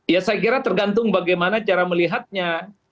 ya saya kira tergantung bagaimana cara melihatnya